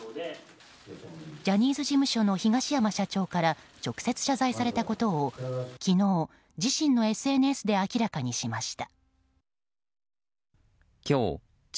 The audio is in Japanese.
ジャニーズ事務所の東山社長から直接謝罪されたことを昨日、自身のＳＮＳで明らかにしました。